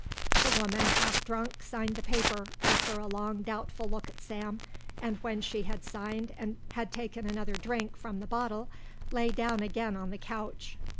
The woman, half drunk, signed the paper, after a long doubtful look at Sam, and when she had signed and had taken another drink from the bottle lay down again on the couch.